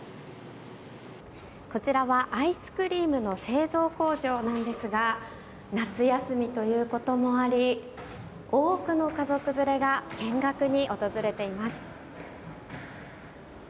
こちらはアイスクリームの製造工場なんですが夏休みということもあり多くの家族連れが見学に訪れています。